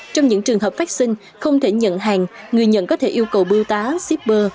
trong những trường hợp vaccine không thể nhận hàng người nhận có thể yêu cầu bưu tá shipper